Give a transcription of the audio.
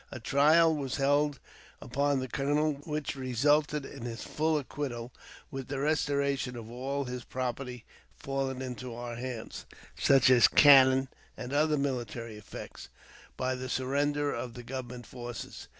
A trial was held upon the colonel, which resulted in his full acquittal, with the restoration of all his property that had fallen into our hands, such as cannon and other military effects, by the government forces.